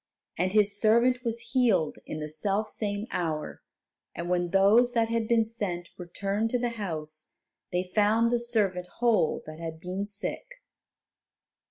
And his servant was healed in the selfsame hour, and when those that had been sent returned to the house, they found the servant whole that had been sick.